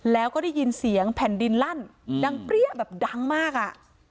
แล้วก็ได้ยินเสียงแผ่นดินลั่นดังเปรี้ยแบบดังมากอ่ะ